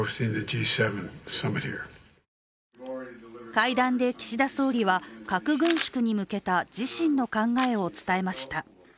会談で岸田総理は、核軍縮に向けた自身の考えを伝えました。